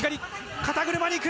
肩車にいく。